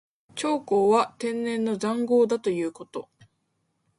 長江は天然の塹壕だということ。